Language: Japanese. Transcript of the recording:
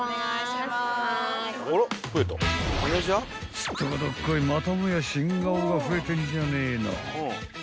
［すっとこどっこいまたもや新顔が増えてんじゃねえの］